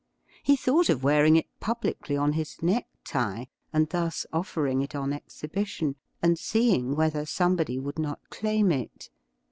He thought of wearing it publicly on his neck tie, and thus offering it on exhibition and seeing whether somebody would not claim it.